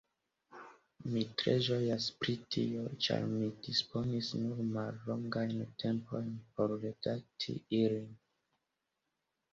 Mi tre ĝojas pri tio, ĉar mi disponis nur mallongajn tempojn por redakti ilin.